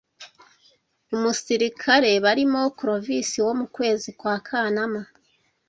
umusirikare barimo clovis wo mu kwezi kwa kanama